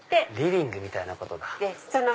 リビングみたいなことだ。